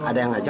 ada yang ngajak